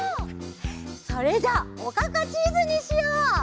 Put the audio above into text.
それじゃあおかかチーズにしよう！